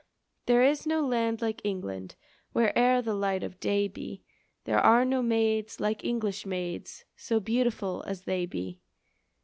There is no land like England, Where'er the light of day be, There are no maids like English maids, So beautiful as they be.